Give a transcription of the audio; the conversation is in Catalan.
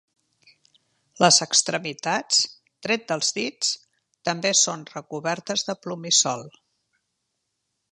Les extremitats, tret dels dits, també són recobertes de plomissol.